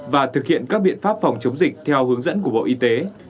và thực hiện các biện pháp phòng chống dịch theo hướng dẫn của bộ y tế